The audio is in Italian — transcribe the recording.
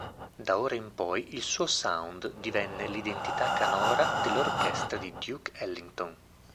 Da ora in poi il suo sound divenne l'identità canora dell'orchestra di Duke Ellington.